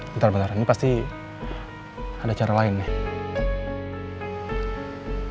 bentar bentar ini pasti ada cara lain nih